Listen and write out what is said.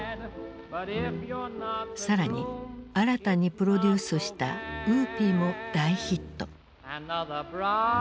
更に新たにプロデュースした「ウーピー」も大ヒット。